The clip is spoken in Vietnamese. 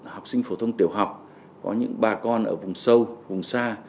học sinh phổ thông tiểu học có những bà con ở vùng sâu vùng xa